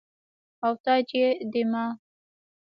او تاج يي ديما